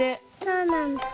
そうなんだ。